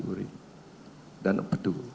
urin dan empedu